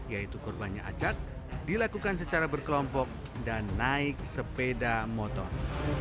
yaitu korbannya acak dilakukan secara berkelompok dan naik sepeda motor